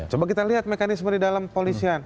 coba kita lihat mekanisme di dalam polisian